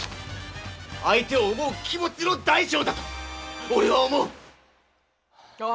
相手を思う気持ちの大小だと俺は思う！